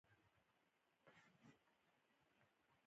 بوټونه پلاستيکي هم وي.